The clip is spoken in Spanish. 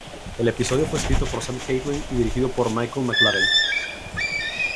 El episodio fue escrito por Sam Catlin y dirigido por Michelle MacLaren.